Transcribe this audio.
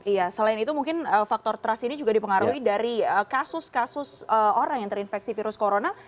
iya selain itu mungkin faktor trust ini juga dipengaruhi dari kasus kasus orang yang terinfeksi virus corona